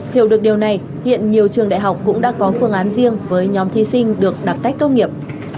hiểu được điều này hiện nhiều trường đại học cũng đã có phương án riêng với nhóm thí sinh được đặt cách tốt nghiệp